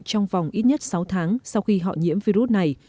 trong vòng ít nhất sáu tháng sau khi họ nhiễm virus này